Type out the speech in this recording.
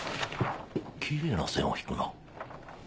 きれいな線を引くな。